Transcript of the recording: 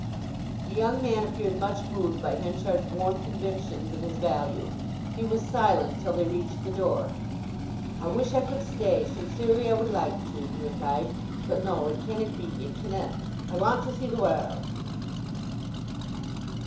The young man appeared much moved by Henchard's warm convictions of his value. He was silent till they reached the door. "I wish I could stay—sincerely I would like to," he replied. "But no—it cannet be! it cannet! I want to see the warrld."